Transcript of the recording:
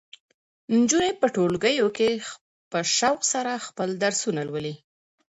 نجونې په ټولګیو کې په شوق سره خپل درسونه لولي.